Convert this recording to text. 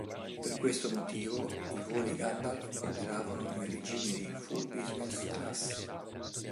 Per questo motivo i voli Gandalf operavano in regime di full business class.